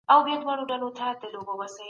ولې دا سیسټم په سمه توګه جواب نه ورکوي؟